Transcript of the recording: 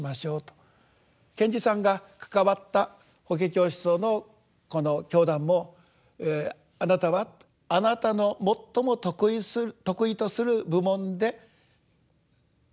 賢治さんが関わった法華経思想のこの教団もあなたはあなたの最も得意とする部門で社会の人たちに施しをする。